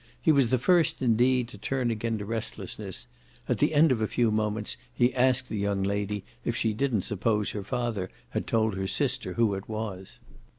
He was the first indeed to turn again to restlessness: at the end of a few moments he asked the young lady if she didn't suppose her father had told her sister who it was.